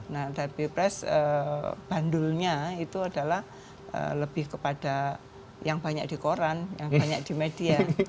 nah dari pilpres bandulnya itu adalah lebih kepada yang banyak di koran yang banyak di media